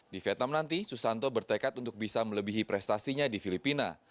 di vietnam nanti susanto bertekad untuk bisa melebihi prestasinya di filipina